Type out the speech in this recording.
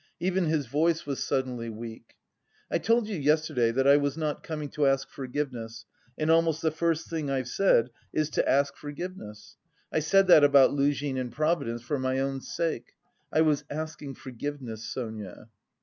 Even his voice was suddenly weak. "I told you yesterday that I was not coming to ask forgiveness and almost the first thing I've said is to ask forgiveness.... I said that about Luzhin and Providence for my own sake. I was asking forgiveness, Sonia...."